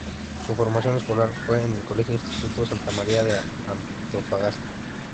Su formación escolar fue en el Colegio Instituto Santa María de Antofagasta.